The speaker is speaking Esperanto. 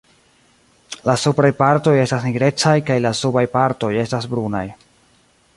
La supraj partoj estas nigrecaj kaj la subaj partoj estas brunaj.